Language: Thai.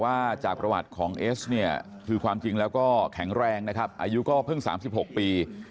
หมอบอกว่าจากประวัติของเอสความจริงแล้วก็แข็งแรงอายุก็เพิ่ง๓๖ปี